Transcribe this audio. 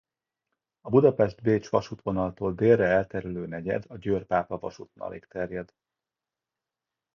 A Budapest–Bécs vasútvonaltól délre elterülő negyed a Győr–Pápa vasútvonalig terjed.